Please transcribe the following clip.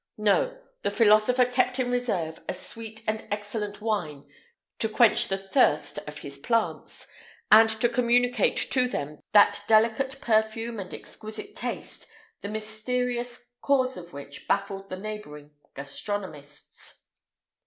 No: the philosopher kept in reserve a sweet and excellent wine to quench the thirst of his plants, and to communicate to them that delicate perfume and exquisite taste, the mysterious cause of which baffled the neighbouring gastronomists.